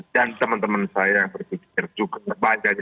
dan teman teman saya yang berpikir juga terbanyak juga